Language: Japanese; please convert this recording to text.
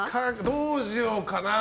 どうしようかな。